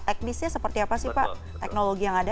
teknisnya seperti apa sih pak teknologi yang ada